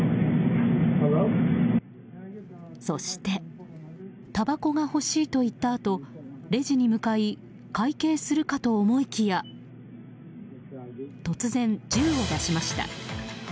そして、たばこが欲しいと言ったあとレジに向かい会計するかと思いきや突然、銃を出しました。